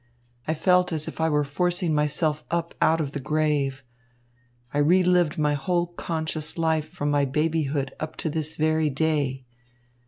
I felt as if I were forcing myself up out of the grave. I re lived my whole conscious life from my babyhood up to this very day.